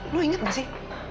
lo inget gak sih